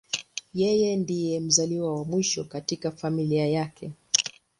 Yeye ndiye mzaliwa wa mwisho katika familia yake.